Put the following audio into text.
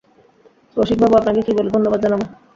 রসিকবাবু, আপনাকে কী বলে ধন্যবাদ জানাব?